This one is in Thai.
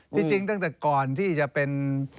จริงตั้งแต่ก่อนที่จะเป็น